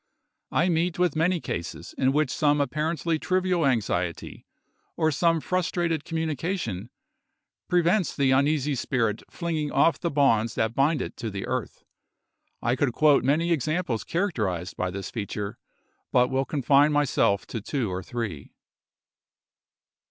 I meet with many cases in which some apparently trivial anxiety, or some frustrated communication, prevents the uneasy spirit flinging off the bonds that bind it to the earth. I could quote many examples characterized by this feature, but will confine myself to two or three.